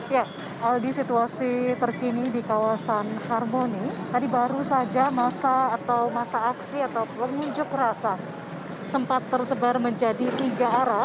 ya aldi situasi terkini di kawasan harmoni tadi baru saja masa atau masa aksi atau pengunjuk rasa sempat tersebar menjadi tiga arah